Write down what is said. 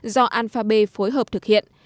do alphabet phối hợp thực hiện